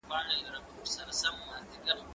که وخت وي، درسونه اورم؟